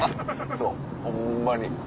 そうホンマに。